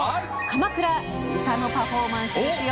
鎌倉、歌のパフォーマンスです。